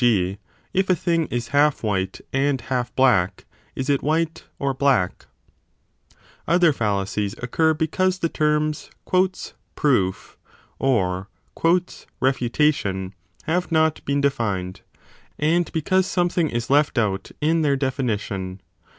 g. if a thing is half white and half black, is it 20 white or black ? Other fallacies occur because the terms proof or refuta tion have not been defined, and because something is left out in their definition.